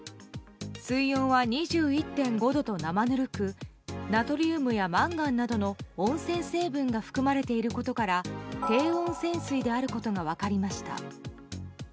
水温は２１．５度と生ぬるくナトリウムやマンガンなどの温泉成分が含まれていることから低温泉水であることが分かりました。